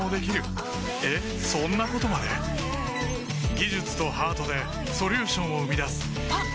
技術とハートでソリューションを生み出すあっ！